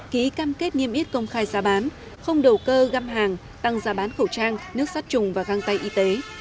ký cam kết nghiêm yết công khai giá bán không đầu cơ găm hàng tăng giá bán khẩu trang nước sát trùng và găng tay y tế